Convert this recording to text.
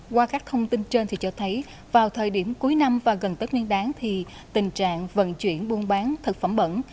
qua các thông tin trên cho thấy vào thời điểm cuối năm và gần tết nguyên đáng thì tình trạng vận chuyển buôn bán thực phẩm bẩn